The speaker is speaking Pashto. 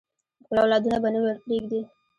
خپل اولادونه به نه ورپریږدي.